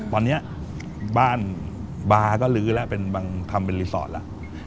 ตอนนี้บ้านบาร์ก็ลื้อแล้วเป็นบางทำเป็นรีสอร์ทแล้ว